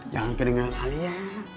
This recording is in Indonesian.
jangan kedengerin alia